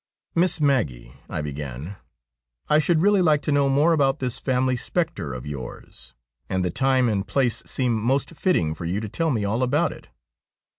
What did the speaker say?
' Miss Maggie,' I began, ' I should really like to know more about this family spectre of yours. And the time and place seem most fitting for you to tell me all about it.'